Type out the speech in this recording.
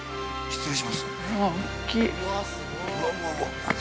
失礼します。